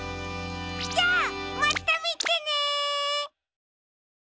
じゃあまたみてね！